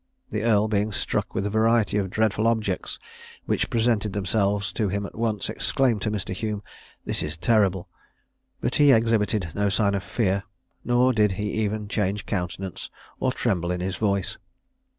The earl being struck with the variety of dreadful objects which presented themselves to him at once, exclaimed to Mr. Hume, "This is terrible!" but he exhibited no sign of fear, nor did he even change countenance or tremble in his voice.